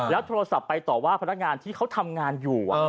โทรศัพท์ไปต่อว่าพนักงานที่เขาทำงานอยู่